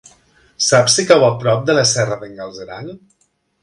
Saps si cau a prop de la Serra d'en Galceran?